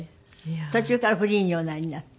途中からフリーにおなりになって？